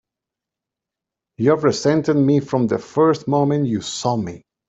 You've resented me from the first moment you saw me!